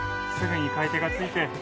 すぐに買い手がついて